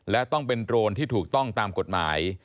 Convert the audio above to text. และต้องเป็นโรนที่ถูกต้องตามกฎหมาย